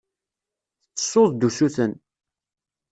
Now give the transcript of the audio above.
Tettessuḍ-d usuten.